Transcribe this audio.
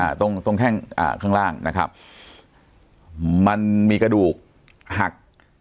ตรงตรงแข้งอ่าข้างล่างนะครับมันมีกระดูกหัก